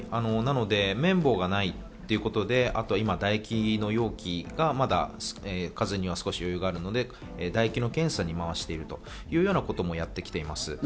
なので綿棒がないということで唾液の容器が数に少し余裕があるので、唾液の検査に回しているというようなこともやってきています。